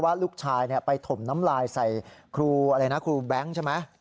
ลูกชายไปถมน้ำลายใส่ครูอะไรนะครูแบงค์ใช่ไหม